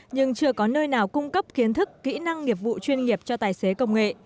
nhưng chưa có nơi nào cung cấp kiến thức kỹ năng nghiệp vụ chuyên nghiệp cho tài xế công nghệ